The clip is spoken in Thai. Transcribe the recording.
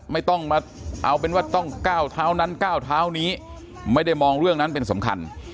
ไม่ต้องมาเอาเป็นว่าต้องก้าวเท้านั้นก้าวเท้านี้ไม่ได้มองเรื่องนั้นเป็นสำคัญ